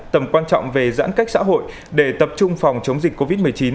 tầm quan trọng về giãn cách xã hội để tập trung phòng chống dịch covid một mươi chín